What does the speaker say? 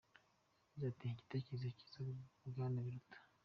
Yagize ati “Igitekerezo cyiza Bwana Biruta.